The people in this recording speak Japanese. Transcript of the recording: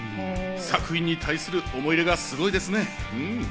作品に対する思い入れがすごいですね。